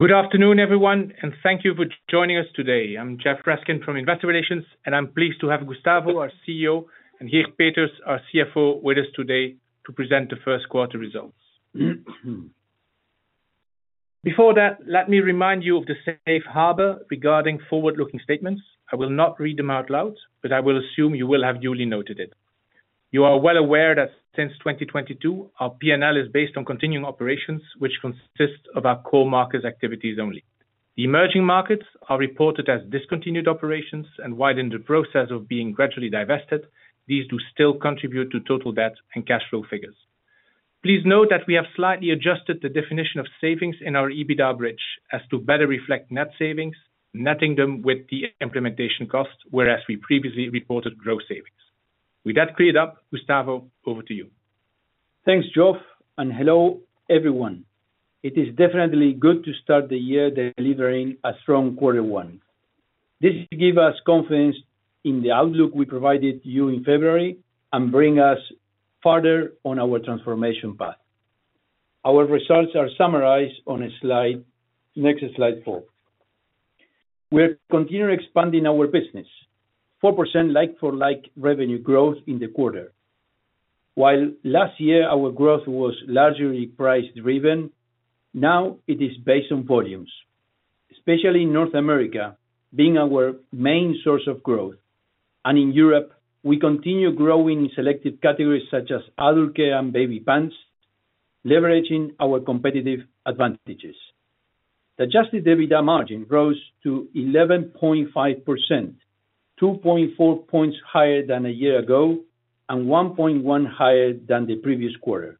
Good afternoon, everyone, and thank you for joining us today. I'm Geoffroy Raskin from Investor Relations, and I'm pleased to have Gustavo, our CEO, and Geert Peeters, our CFO, with us today to present the first quarter results. Before that, let me remind you of the safe harbor regarding forward-looking statements. I will not read them out loud, but I will assume you will have duly noted it. You are well aware that since 2022, our P&L is based on continuing operations, which consist of our core markets activities only. The emerging markets are reported as discontinued operations and are in the process of being gradually divested. These do still contribute to total debt and cash flow figures. Please note that we have slightly adjusted the definition of savings in our EBITDA bridge as to better reflect net savings, netting them with the implementation cost, whereas we previously reported gross savings. With that cleared up, Gustavo, over to you. Thanks, Geoff, and hello, everyone. It is definitely good to start the year delivering a strong quarter one. This give us confidence in the outlook we provided you in February and bring us farther on our transformation path. Our results are summarized on the next slide, slide four. We're continuing expanding our business, 4% like-for-like revenue growth in the quarter. While last year our growth was largely price-driven, now it is based on volumes, especially in North America, being our main source of growth. And in Europe, we continue growing in selective categories such as adult care and baby pants, leveraging our competitive advantages. The Ajusted EBITDA margin grows to 11.5%, 2.4 points higher than a year ago, and 1.1 higher than the previous quarter.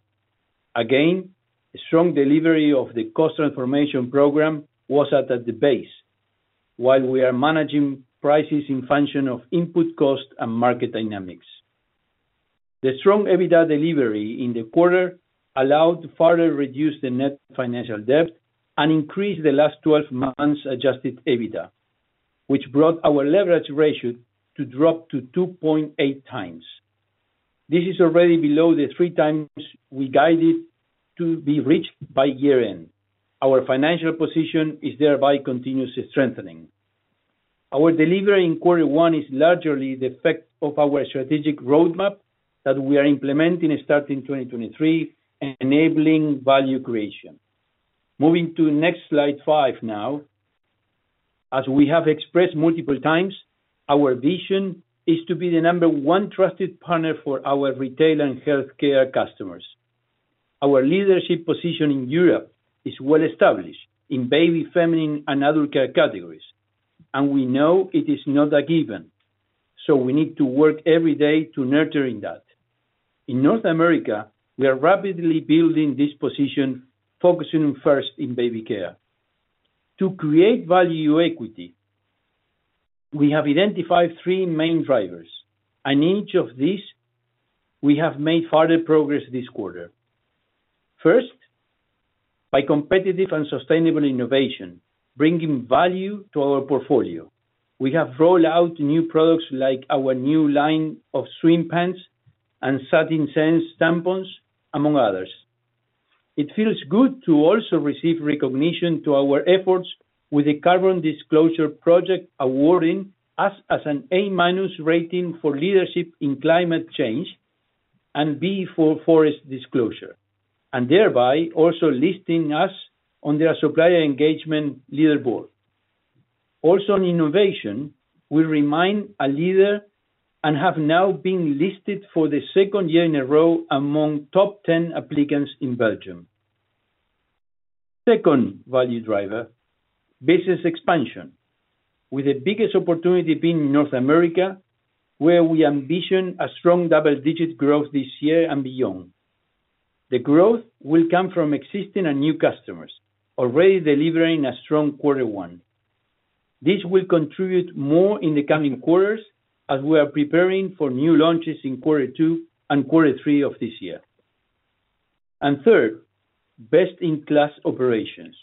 Again, a strong delivery of the cost transformation program was at the base, while we are managing prices in function of input cost and market dynamics. The strong EBITDA delivery in the quarter allowed to further reduce the net financial debt and increase the last twelve months Adjusted EBITDA, which brought our leverage ratio to drop to 2.8 times. This is already below the three times we guided to be reached by year-end. Our financial position is thereby continuously strengthening. Our delivery in quarter one is largely the effect of our strategic roadmap that we are implementing starting in 2023, enabling value creation. Moving to next, slide five now. As we have expressed multiple times, our vision is to be the number one trusted partner for our retail and healthcare customers. Our leadership position in Europe is well established in baby, feminine, and adult care categories, and we know it is not a given, so we need to work every day to nurturing that. In North America, we are rapidly building this position, focusing first in baby care. To create value equity, we have identified three main drivers, and each of these, we have made further progress this quarter. First, by competitive and sustainable innovation, bringing value to our portfolio. We have rolled out new products like our new line of swim pants and SatinSense tampons, among others. It feels good to also receive recognition to our efforts with the Carbon Disclosure Project, awarding us as an A-minus rating for leadership in climate change and B for forest disclosure, and thereby also listing us on their Supplier Engagement Leaderboard. Also, in innovation, we remain a leader and have now been listed for the second year in a row among top 10 applicants in Belgium. Second value driver, business expansion, with the biggest opportunity being in North America, where we ambition a strong double-digit growth this year and beyond. The growth will come from existing and new customers, already delivering a strong quarter one. This will contribute more in the coming quarters as we are preparing for new launches in quarter two and quarter three of this year. And third, best-in-class operations.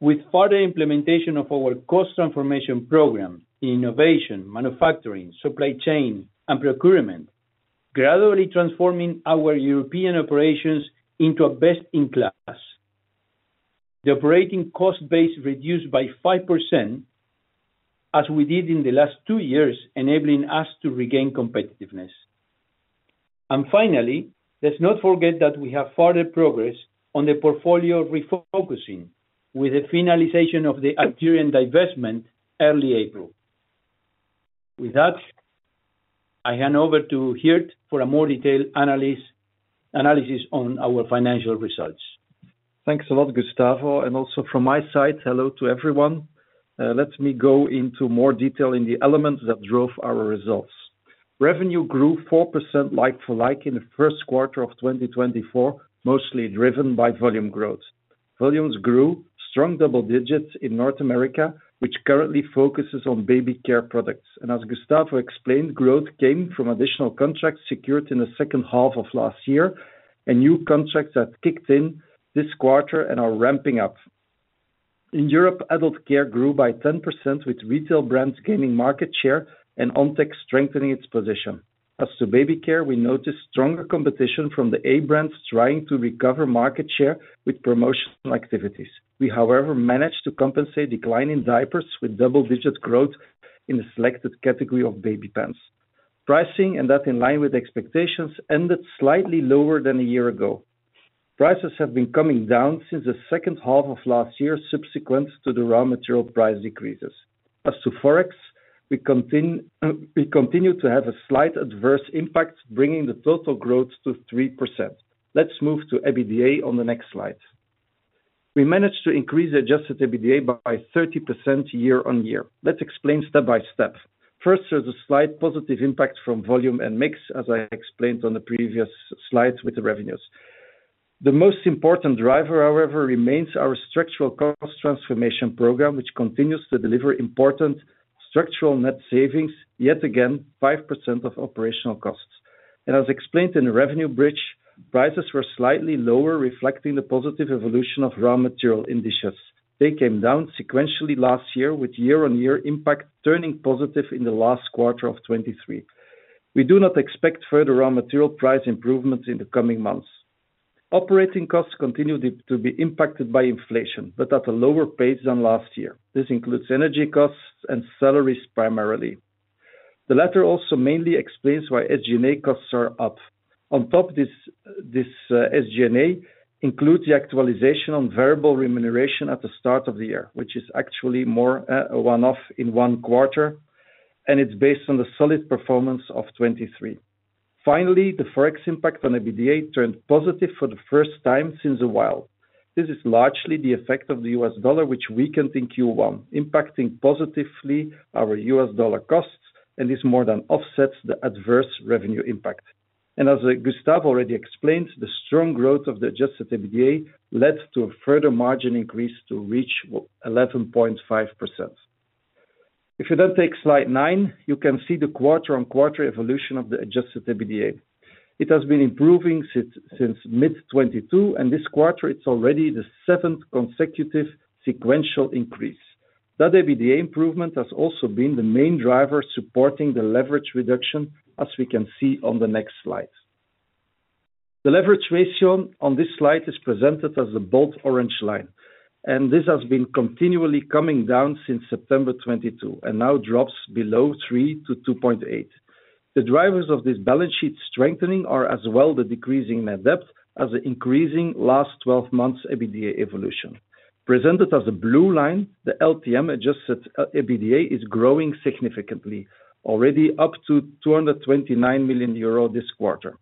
With further implementation of our cost transformation program, innovation, manufacturing, supply chain, and procurement, gradually transforming our European operations into a best-in-class. The operating cost base reduced by 5%, as we did in the last two years, enabling us to regain competitiveness. And finally, let's not forget that we have further progress on the portfolio refocusing, with the finalization of the Algerian divestment early April. With that, I hand over to Geert for a more detailed analysis on our financial results. Thanks a lot, Gustavo, and also from my side, hello to everyone. Let me go into more detail in the elements that drove our results. Revenue grew 4% like-for-like in the first quarter of 2024, mostly driven by volume growth. Volumes grew strong double digits in North America, which currently focuses on baby care products. As Gustavo explained, growth came from additional contracts secured in the second half of last year, and new contracts have kicked in this quarter and are ramping up. In Europe, adult care grew by 10%, with retail brands gaining market share and Ontex strengthening its position. As to baby care, we noticed stronger competition from the A-brands trying to recover market share with promotional activities. We, however, managed to compensate declining diapers with double-digit growth in the selected category of baby pants. Pricing, and that in line with expectations, ended slightly lower than a year ago. Prices have been coming down since the second half of last year, subsequent to the raw material price decreases. As to Forex, we continue to have a slight adverse impact, bringing the total growth to 3%. Let's move to EBITDA on the next slide. We managed to increase the Adjusted EBITDA by 30% year-on-year. Let's explain step by step. First, there's a slight positive impact from volume and mix, as I explained on the previous slides with the revenues. The most important driver, however, remains our structural cost transformation program, which continues to deliver important structural net savings, yet again, 5% of operational costs. And as explained in the revenue bridge, prices were slightly lower, reflecting the positive evolution of raw material indices. They came down sequentially last year, with year-on-year impact turning positive in the last quarter of 2023. We do not expect further raw material price improvements in the coming months. Operating costs continued to be impacted by inflation, but at a lower pace than last year. This includes energy costs and salaries, primarily. The latter also mainly explains why SG&A costs are up. On top of this, SG&A includes the actualization on variable remuneration at the start of the year, which is actually more a one-off in one quarter, and it's based on the solid performance of 2023. Finally, the Forex impact on EBITDA turned positive for the first time since a while. This is largely the effect of the U.S. dollar, which weakened in Q1, impacting positively our U.S. dollar costs, and this more than offsets the adverse revenue impact. As Gustavo already explained, the strong growth of the Adjusted EBITDA led to a further margin increase to reach 11.5%. If you then take slide nine, you can see the quarter-on-quarter evolution of the Adjusted EBITDA. It has been improving since mid-2022, and this quarter, it's already the seventh consecutive sequential increase. That EBITDA improvement has also been the main driver supporting the leverage reduction, as we can see on the next slide. The leverage ratio on this slide is presented as a bold orange line, and this has been continually coming down since September 2022, and now drops below 3-2.8. The drivers of this balance sheet strengthening are as well, the decreasing net debt as an increasing last twelve months EBITDA evolution. Presented as a blue line, the LTM Adjusted EBITDA is growing significantly, already up to 229 million euro this quarter.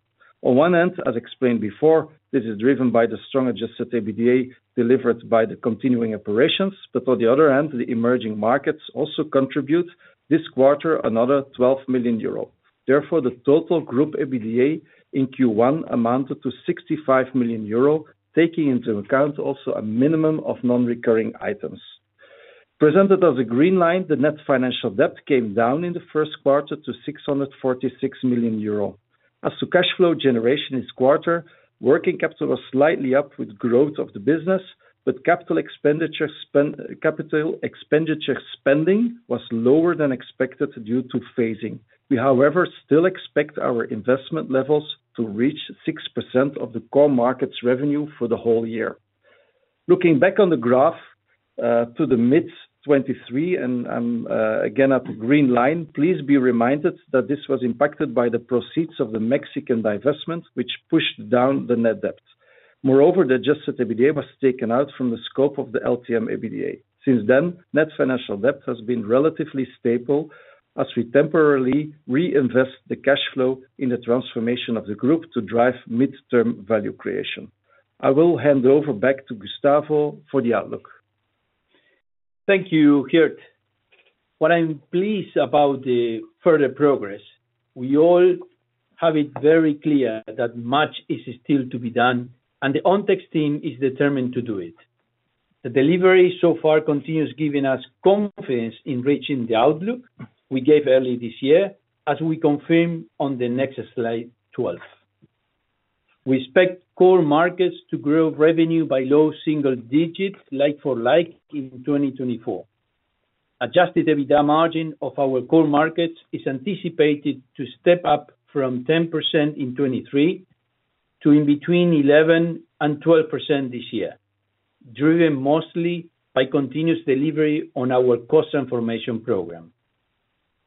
On one end, as explained before, this is driven by the strong Adjusted EBITDA delivered by the continuing operations. But on the other hand, the emerging markets also contribute this quarter, another 12 million euro. Therefore, the total group EBITDA in Q1 amounted to 65 million euro, taking into account also a minimum of non-recurring items. Presented as a green line, the net financial debt came down in the first quarter to 646 million euro. As to cash flow generation this quarter, working capital was slightly up with growth of the business, but capital expenditure spending was lower than expected due to phasing. We, however, still expect our investment levels to reach 6% of the core markets revenue for the whole year. Looking back on the graph, to the mid-2023 and, again, at the green line, please be reminded that this was impacted by the proceeds of the Mexican divestment, which pushed down the net debt. Moreover, the Adjusted EBITDA was taken out from the scope of the LTM EBITDA. Since then, net financial debt has been relatively stable as we temporarily reinvest the cash flow in the transformation of the group to drive midterm value creation. I will hand over back to Gustavo for the outlook. Thank you, Geert. While I'm pleased about the further progress, we all have it very clear that much is still to be done, and the Ontex team is determined to do it. The delivery so far continues giving us confidence in reaching the outlook we gave early this year, as we confirm on the next slide 12. We expect core markets to grow revenue by low single digits, like-for-like in 2024. Adjusted EBITDA margin of our core markets is anticipated to step up from 10% in 2023, to between 11% and 12% this year, driven mostly by continuous delivery on our cost transformation program.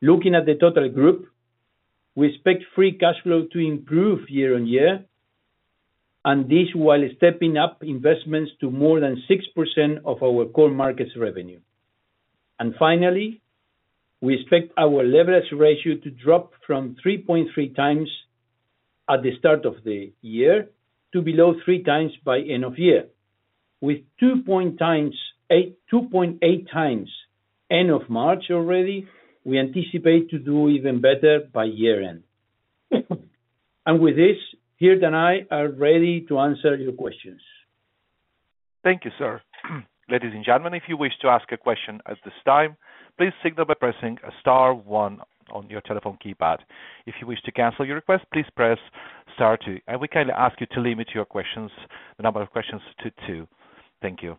Looking at the total group, we expect free cash flow to improve year-on-year, and this while stepping up investments to more than 6% of our core markets revenue. And finally, we expect our leverage ratio to drop from 3.3 times at the start of the year to below three times by end of year. With 2.8 times end of March already, we anticipate to do even better by year-end. And with this, Geert and I are ready to answer your questions. Thank you, sir. Ladies and gentlemen, if you wish to ask a question at this time, please signal by pressing star one on your telephone keypad. If you wish to cancel your request, please press star two, and we kindly ask you to limit your questions, the number of questions to two. Thank you.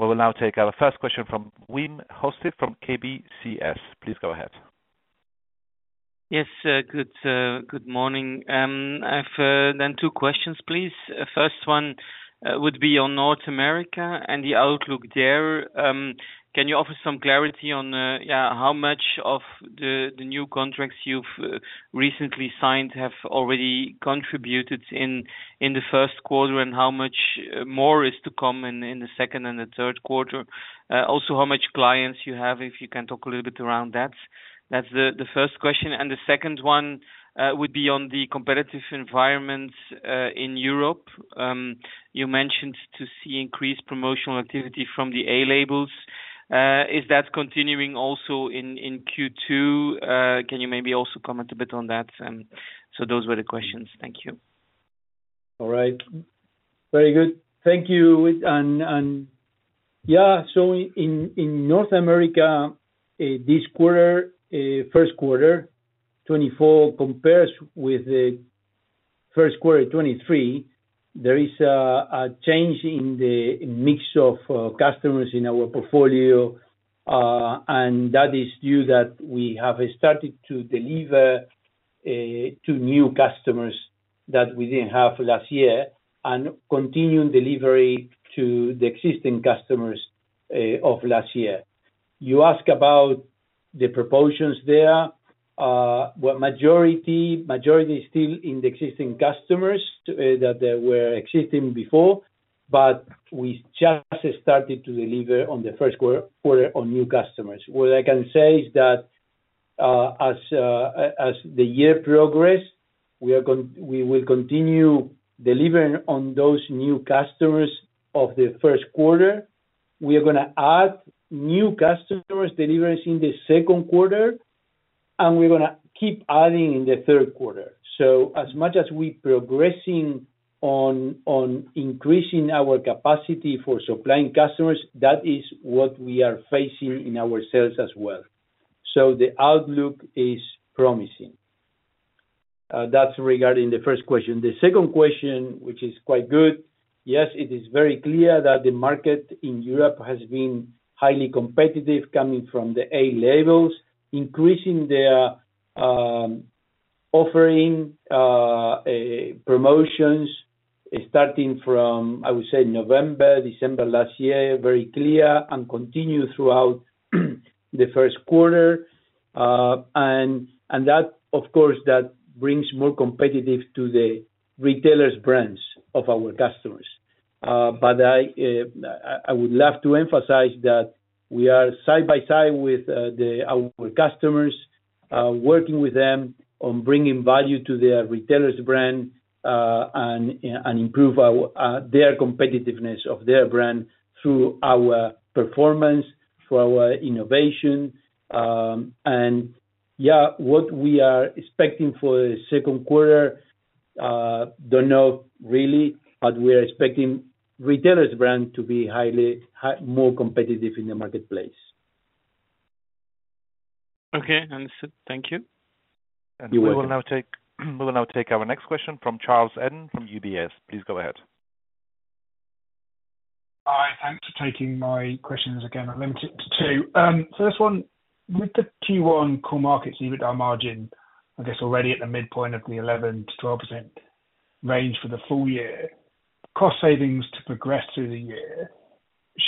We will now take our first question from Wim Hoste, from KBCS. Please go ahead. Yes, good morning. I've then two questions, please. First one would be on North America and the outlook there. Can you offer some clarity on, yeah, how much of the new contracts you've recently signed have already contributed in the first quarter? And how much more is to come in the second and the third quarter? Also, how much clients you have, if you can talk a little bit around that. That's the first question, and the second one would be on the competitive environment in Europe. You mentioned to see increased promotional activity from the A labels. Is that continuing also in Q2? Can you maybe also comment a bit on that? So those were the questions. Thank you. All right. Very good. Thank you, and yeah, so in North America, this quarter, first quarter 2024 compares with the first quarter of 2023. There is a change in the mix of customers in our portfolio, and that is due that we have started to deliver to new customers that we didn't have last year, and continuing delivery to the existing customers of last year. You ask about the proportions there. Well, majority is still in the existing customers that they were existing before, but we just started to deliver on the first quarter on new customers. What I can say is that, as the year progress, we will continue delivering on those new customers of the first quarter. We are gonna add new customers deliveries in the second quarter, and we're gonna keep adding in the third quarter. So as much as we're progressing on increasing our capacity for supplying customers, that is what we are facing in our sales as well. So the outlook is promising. That's regarding the first question. The second question, which is quite good, yes, it is very clear that the market in Europe has been highly competitive, coming from the A-brands, increasing their offering, promotions, starting from, I would say, November, December last year, very clear and continue throughout the first quarter. And that, of course, that brings more competitive to the retailers brands of our customers. But I would love to emphasize that we are side by side with our customers, working with them on bringing value to their retailer’s brand and improve their competitiveness of their brand through our performance, through our innovation. And yeah, what we are expecting for the second quarter, don't know really, but we're expecting retailer’s brand to be highly more competitive in the marketplace. Okay, understood. Thank you. You're welcome. We will now take our next question from Charles Eden, from UBS. Please go ahead. Hi, thanks for taking my questions again. I'll limit it to two. First one, with the T1 core markets, EBITDA margin, I guess, already at the midpoint of the 11%-12% range for the full year, cost savings to progress through the year,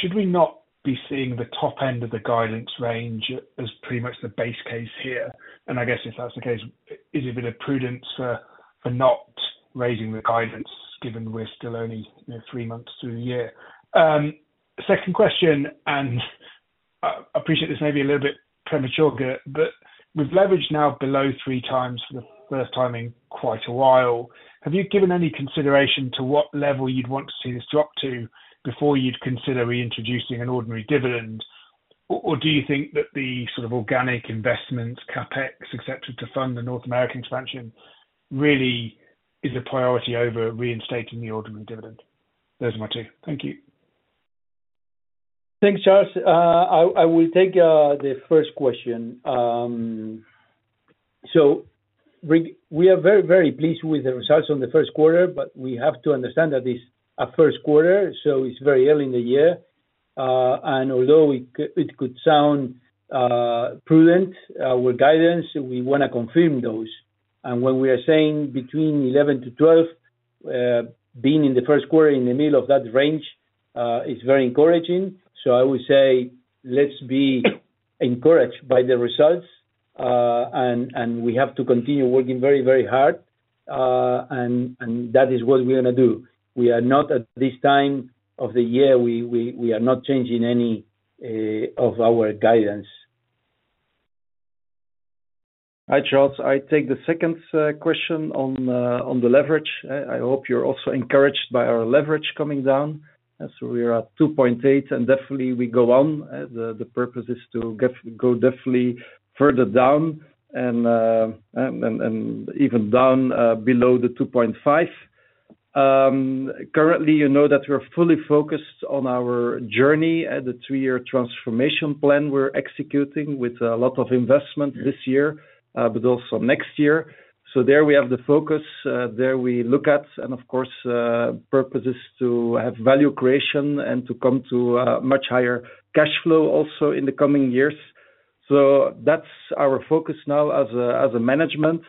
should we not be seeing the top end of the guidance range as pretty much the base case here? And I guess if that's the case, is it a bit of prudence for not raising the guidance, given we're still only, you know, three months through the year? Second question, and I appreciate this may be a little bit premature, Geert, but with leverage now below three times for the first time in quite a while, have you given any consideration to what level you'd want to see this drop to before you'd consider reintroducing an ordinary dividend? Or do you think that the sort of organic investment, CapEx, et cetera, to fund the North American expansion really is a priority over reinstating the ordinary dividend? Those are my two. Thank you. Thanks, Charles. I will take the first question. So we are very, very pleased with the results from the first quarter, but we have to understand that it's a first quarter, so it's very early in the year. And although it could sound prudent with guidance, we wanna confirm those. And when we are saying between 11 to 12, being in the first quarter, in the middle of that range, is very encouraging. So I would say, let's be encouraged by the results. And we have to continue working very, very hard, and that is what we're gonna do. We are not, at this time of the year, we are not changing any of our guidance. Hi, Charles. I take the second question on the leverage. I hope you're also encouraged by our leverage coming down, as we are at 2.8, and definitely we go on. The purpose is to go definitely further down, and even down below the 2.5. Currently, you know that we're fully focused on our journey and the three-year transformation plan we're executing with a lot of investment this year, but also next year. So there we have the focus, there we look at, and of course, purpose is to have value creation and to come to a much higher cash flow also in the coming years. So that's our focus now as a management.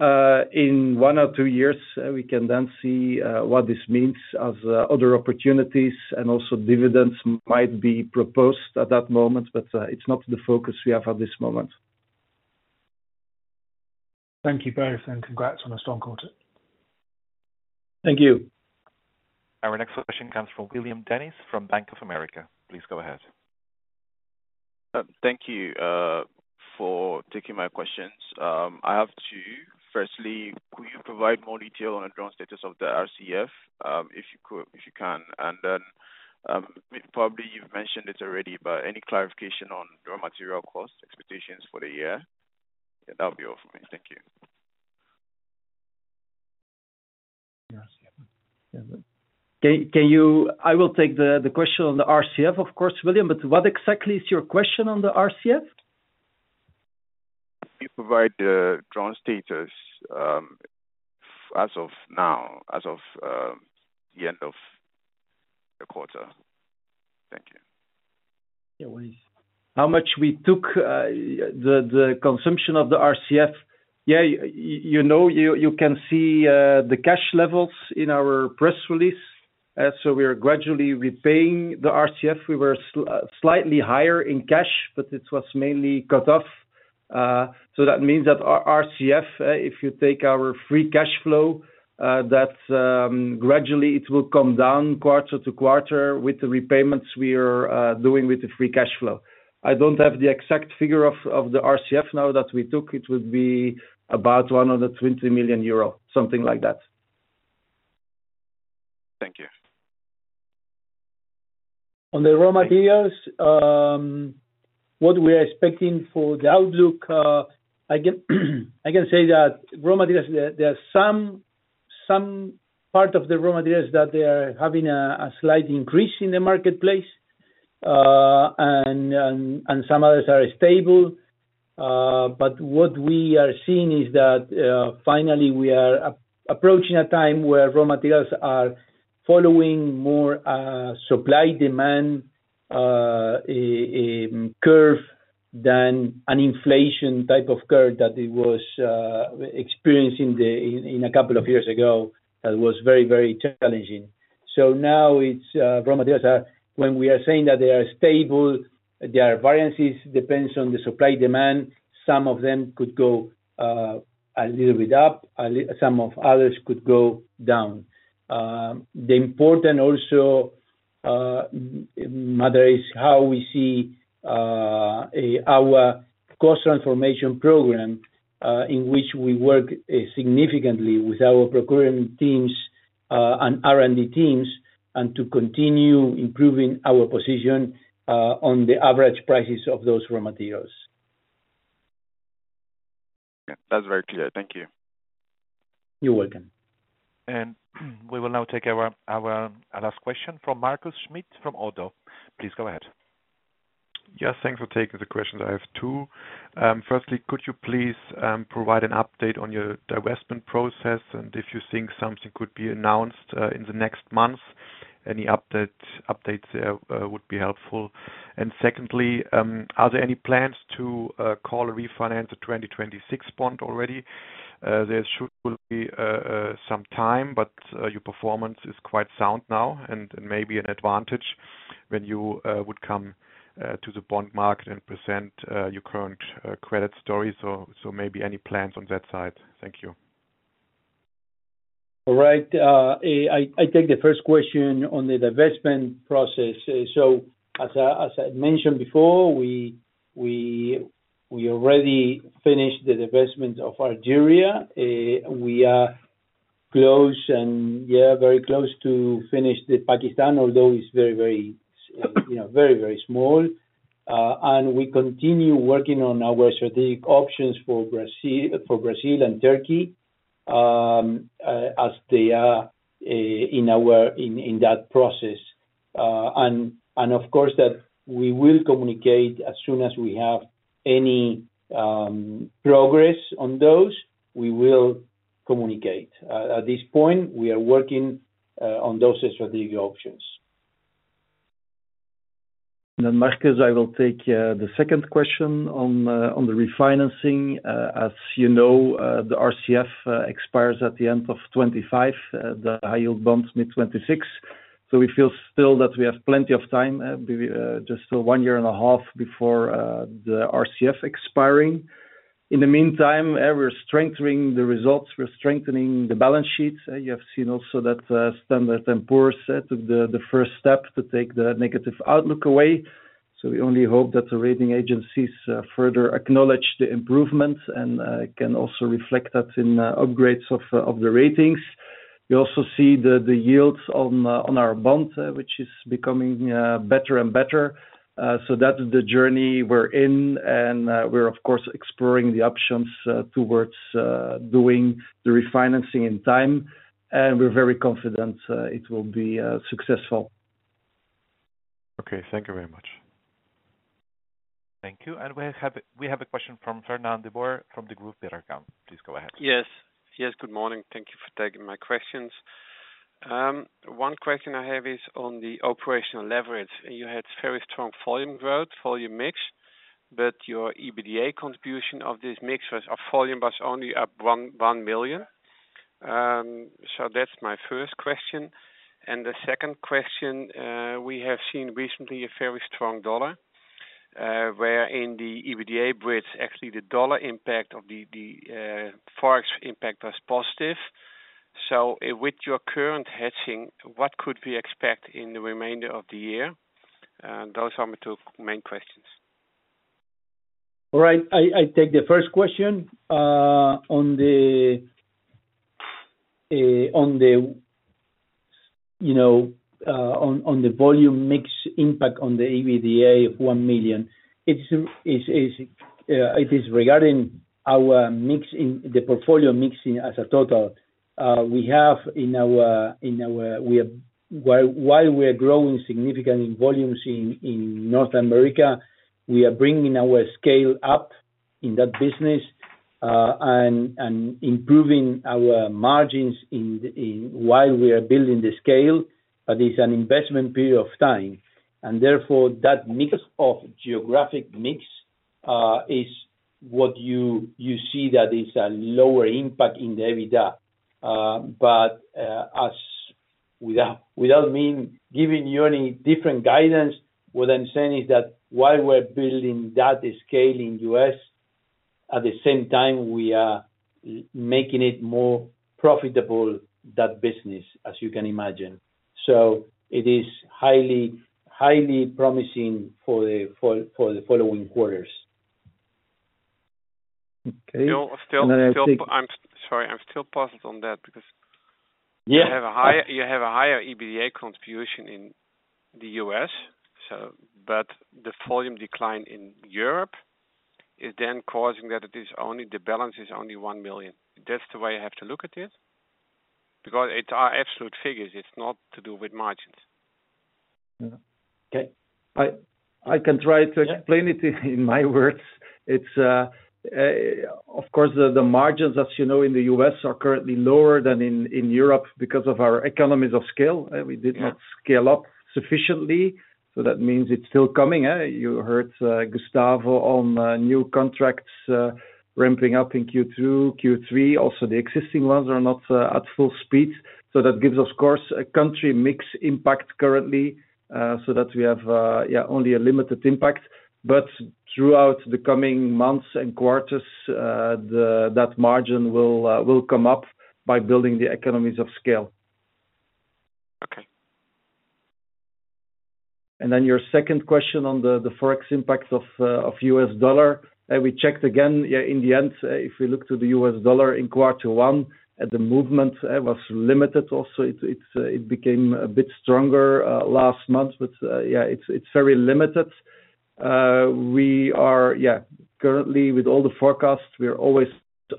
In one or two years, we can then see what this means as other opportunities and also dividends might be proposed at that moment, but it's not the focus we have at this moment. Thank you both, and congrats on a strong quarter. Thank you. Our next question comes from William Dennis from Bank of America. Please go ahead. Thank you for taking my questions. I have two. Firstly, could you provide more detail on the current status of the RCF? If you could, if you can. And then, probably you've mentioned it already, but any clarification on raw material cost expectations for the year? That would be all for me. Thank you. I will take the question on the RCF, of course, William, but what exactly is your question on the RCF? Can you provide the current status as of now, as of the end of the quarter? Thank you. Yeah, well, how much we took, the consumption of the RCF? Yeah, you know, you can see the cash levels in our press release. So we are gradually repaying the RCF. We were slightly higher in cash, but it was mainly cut off. So that means that our RCF, if you take our free cash flow, that gradually it will come down quarter to quarter with the repayments we are doing with the free cash flow. I don't have the exact figure of the RCF now that we took. It would be about 120 million euro, something like that. Thank you. On the raw materials, what we are expecting for the outlook, I can say that raw materials, there are some part of the raw materials that they are having a slight increase in the marketplace, and some others are stable. But what we are seeing is that, finally, we are approaching a time where raw materials are following more supply-demand a curve than an inflation type of curve that it was experienced in a couple of years ago. That was very, very challenging. So now it's raw materials, when we are saying that they are stable, there are variances, depends on the supply-demand. Some of them could go a little bit up, some of others could go down. The important also matter is how we see our Cost transformation program, in which we work significantly with our procurement teams and R&D teams, and to continue improving our position on the average prices of those raw materials. That's very clear. Thank you. You're welcome. We will now take our last question from Markus Schmitt from Oddo. Please go ahead. Yes, thanks for taking the questions. I have two. Firstly, could you please provide an update on your divestment process, and if you think something could be announced in the next month? Any update, updates would be helpful. And secondly, are there any plans to call a refinance of 2026 bond already? There should be some time, but your performance is quite sound now and may be an advantage when you would come to the bond market and present your current credit story. So maybe any plans on that side? Thank you. All right, I take the first question on the divestment process. So as I mentioned before, we already finished the divestment of Algeria. We are close and, yeah, very close to finish the Pakistan, although it's very, very, you know, very, very small. And we continue working on our strategic options for Brazil, for Brazil and Turkey, as they are in our, in, in that process. And, of course, that we will communicate as soon as we have any progress on those, we will communicate. At this point, we are working on those strategic options. Markus, I will take the second question on the refinancing. As you know, the RCF expires at the end of 2025, the high yield bonds, mid-2026. So we feel still that we have plenty of time, maybe just one year and a half before the RCF expiring. In the meantime, we're strengthening the results, we're strengthening the balance sheets. You have seen also that Standard & Poor's set the first step to take the negative outlook away. So we only hope that the rating agencies further acknowledge the improvements and can also reflect that in upgrades of the ratings. We also see the yields on our bond, which is becoming better and better. So that is the journey we're in, and we're of course exploring the options towards doing the refinancing in time. And we're very confident it will be successful. Okay. Thank you very much. Thank you. We have a, we have a question from Fernand de Boer from Degroof Petercam. Please go ahead. Yes. Yes, good morning. Thank you for taking my questions. One question I have is on the operational leverage. You had very strong volume growth, volume mix, but your EBITDA contribution of this mix was, of volume, was only up 1 million. So that's my first question. And the second question, we have seen recently a very strong U.S. dollar, where in the EBITDA bridge, actually, the dollar impact of the Forex impact was positive. So with your current hedging, what could we expect in the remainder of the year? Those are my two main questions. All right. I take the first question. On the volume mix impact on the EBITDA of 1 million, it is regarding our mix in the portfolio mix as a total. While we are growing significantly in volumes in North America, we are bringing our scale up in that business and improving our margins while we are building the scale. But it's an investment period of time, and therefore, that geographic mix is what you see that is a lower impact in the EBITDA. But, as without meaning to give you any different guidance, what I'm saying is that while we're building that scale in U.S., at the same time, we are making it more profitable, that business, as you can imagine. So it is highly, highly promising for the following quarters. Okay. So still I'm sorry, I'm still puzzled on that because- Yeah. You have a higher, you have a higher EBITDA contribution in the U.S., so, but the volume decline in Europe is then causing that it is only, the balance is only 1 million. That's the way I have to look at it? Because it's our absolute figures, it's not to do with margins. Yeah. Okay. I can try to explain it in my words. It's, of course, the margins, as you know, in the U.S. are currently lower than in Europe because of our economies of scale. We did not scale up sufficiently, so that means it's still coming. You heard Gustavo on new contracts ramping up in Q2, Q3. Also, the existing ones are not at full speed. So that gives us, of course, a country mix impact currently, so that we have only a limited impact. But throughout the coming months and quarters, that margin will come up by building the economies of scale. Okay. And then your second question on the Forex impact of U.S. dollar. We checked again, yeah, in the end, if we look to the US dollar in quarter one, and the movement was limited also, it became a bit stronger last month, but, yeah, it's very limited. We are, yeah, currently with all the forecasts, we are always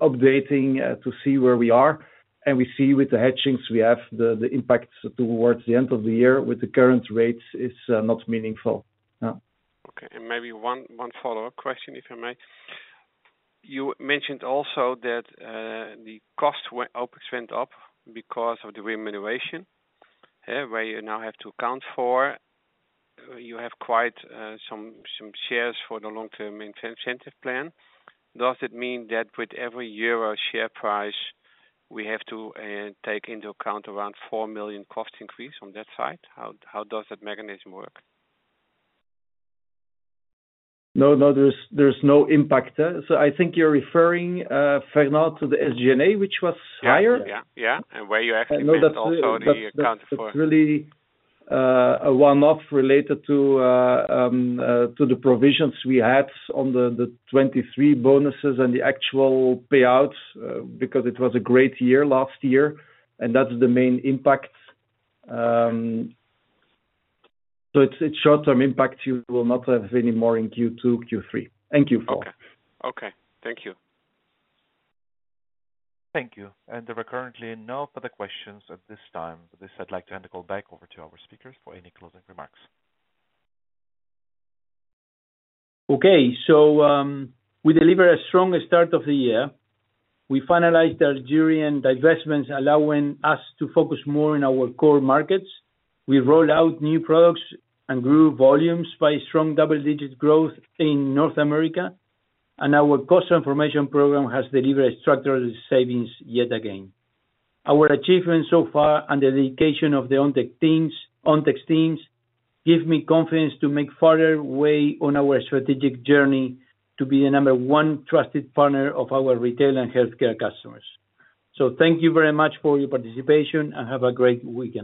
updating to see where we are, and we see with the hedgings we have, the impact towards the end of the year with the current rates is not meaningful. Yeah. Okay. And maybe one follow-up question, if I may. You mentioned also that the costs went up because of the remuneration, where you now have to account for... You have quite some shares for the long-term incentive plan. Does it mean that with every euro share price, we have to take into account around 4 million cost increase on that side? How does that mechanism work? No, no, there's, there's no impact. So I think you're referring, Fernand, to the SG&A, which was higher. Yeah, yeah, yeah. And where you actually missed also the account for- That's really a one-off related to the provisions we had on the 2023 bonuses and the actual payouts, because it was a great year last year, and that's the main impact. So it's short-term impact. You will not have any more in Q2, Q3. Thank you, Fernand. Okay. Okay. Thank you. Thank you. There are currently no further questions at this time. With this, I'd like to hand the call back over to our speakers for any closing remarks. Okay. So, we delivered a strong start of the year. We finalized the Algerian divestments, allowing us to focus more on our core markets. We rolled out new products and grew volumes by strong double-digit growth in North America, and our cost transformation program has delivered structural savings yet again. Our achievements so far and the dedication of the Ontex teams give me confidence to make further way on our strategic journey to be the number one trusted partner of our retail and healthcare customers. So thank you very much for your participation, and have a great weekend.